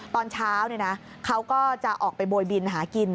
ตอนเช้าเขาก็จะออกไปโบยบินหากิน